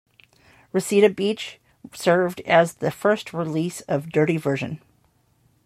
"Reseda Beach" served as the first release of Dirty Version.